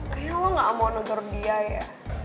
akhirnya lo gak mau nungguin dia ya